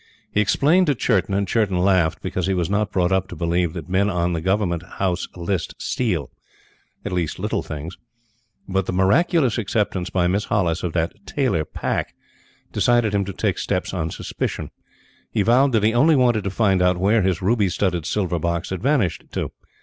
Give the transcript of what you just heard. He explained to Churton and Churton laughed, because he was not brought up to believe that men on the Government House List steal at least little things. But the miraculous acceptance by Miss Hollis of that tailor, Pack, decided him to take steps on suspicion. He vowed that he only wanted to find out where his ruby studded silver box had vanished to.